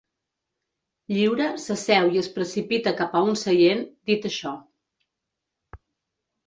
Lliure s'asseu i es precipita cap a un seient, dit això.